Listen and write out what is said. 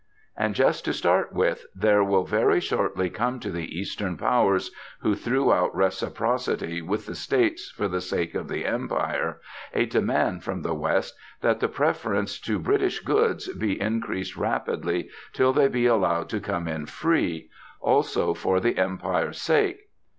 And, just to start with, there will very shortly come to the Eastern Powers, who threw out Reciprocity with the States for the sake of the Empire, a demand from the West that the preference to British goods be increased rapidly till they be allowed to come in free, also for the Empire's sake.